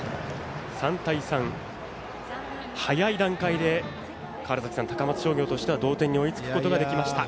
３対３、早い段階で高松商業としては同点に追いつくことができました。